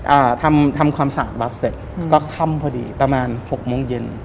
อ่าทำทำความสะอาดวัดเสร็จก็ค่ำพอดีประมาณหกโมงเย็น